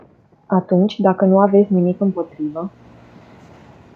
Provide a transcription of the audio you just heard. Atunci, dacă nu aveți nimic împotrivă...